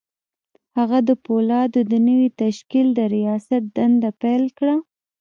هغه د پولادو د نوي تشکیل د رياست دنده پیل کړه